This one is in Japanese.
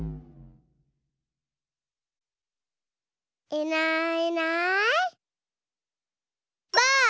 いないいないばあっ！